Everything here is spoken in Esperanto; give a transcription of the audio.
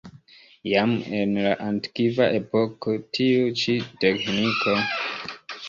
Jam en la antikva epoko tiu ĉi teĥniko de metalo-prilaborado estis konata.